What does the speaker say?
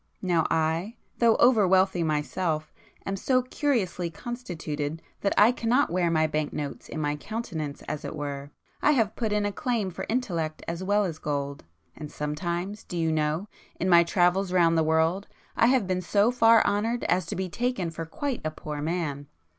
Now I, though over wealthy myself, am so curiously constituted that I cannot wear my bank notes in my countenance as it were,—I have put in a claim for intellect as well as [p 185] gold,—and sometimes, do you know, in my travels round the world, I have been so far honoured as to be taken for quite a poor man!